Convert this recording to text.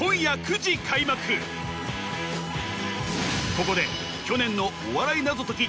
ここで去年のお笑い謎解き